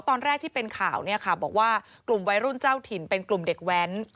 ตอนแรกที่เป็นข่าวเนี่ยค่ะบอกว่ากลุ่มวัยรุ่นเจ้าถิ่นเป็นกลุ่มเด็กแว้น